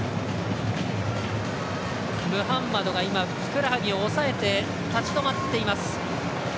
ムハンマドがふくらはぎを押さえて立ち止まっています。